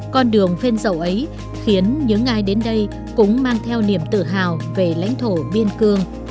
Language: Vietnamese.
con đường phên dầu ấy khiến những ai đến đây cũng mang theo niềm tự hào về lãnh thổ biên cương